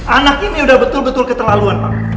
anak ini udah betul betul keterlaluan